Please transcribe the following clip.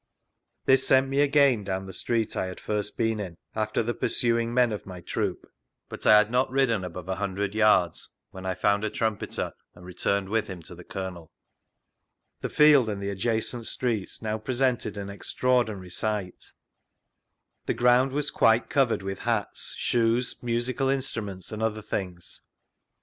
This sent me again down the street I had first been in (after the pursuing men of my troop); bujt I had not ridden above a hundred yards before I found a Trun^wter, and vGoogIc SIR WILLIAM JOLLIFFE'S NARRATIVE 55 returned with him to the Colonel. The field and the adjacent streets now presjented an extraordinary sight : the ground was quite covered with hats, shoes, musical instruments, and other things.